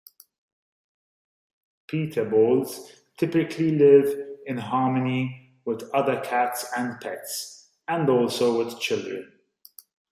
Peterbalds typically live in harmony with other cats and pets, and also with children.